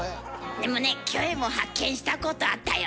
でもねキョエも発見したことあったよ。